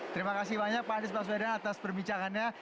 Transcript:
terima kasih banyak pak anies baswedan atas perbincangannya